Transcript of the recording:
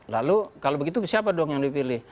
lalu kalau begitu siapa dong yang dipilih